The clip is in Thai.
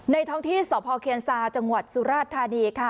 ท้องที่สพเคียนซาจังหวัดสุราชธานีค่ะ